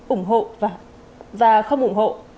ủng hộ và không ủng hộ